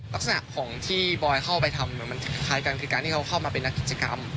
ลักษณะของที่บอยเข้าไปทำเหมือนมันคล้ายกันคือการที่เขาเข้ามาเป็นนักกิจกรรม